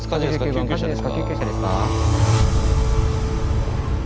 救急車ですか？